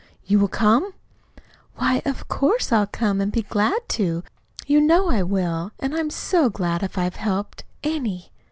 You will come?" "Why, of course, I'll come, and be glad to. You know I will. And I'm so glad if I've helped any!"